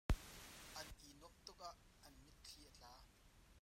An i nuamh tuk ah an mitthli a tla.